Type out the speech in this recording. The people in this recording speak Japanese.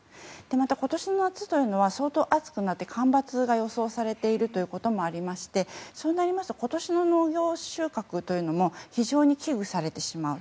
また、今年の夏というのは相当暑くなって干ばつが予想されているということもありましてそうなると今年の農業収穫というのも非常に危惧されてしまう。